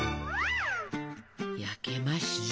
焼けましたね。